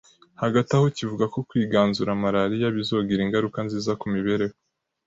Hagati aho kivuga ko kwiganzura malaria bizogira ingaruka nziza ku mibereho